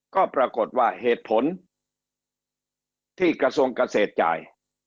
ก็ปรากฏว่าเหตุผลที่กระทรวงเกษตรจ่าย